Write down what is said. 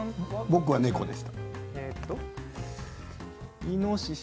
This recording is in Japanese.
僕はネコでした。